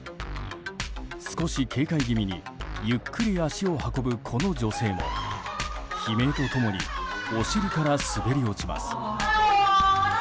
少し警戒気味にゆっくり足を運ぶこの女性も悲鳴と共にお尻から滑り落ちます。